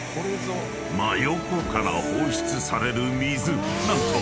［真横から放出される水何と］